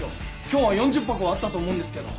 今日は４０箱あったと思うんですけど。